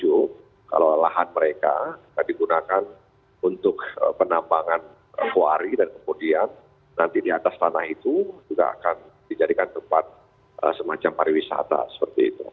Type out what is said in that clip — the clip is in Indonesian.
itu kalau lahan mereka digunakan untuk penambangan kuari dan kemudian nanti di atas tanah itu juga akan dijadikan tempat semacam pariwisata seperti itu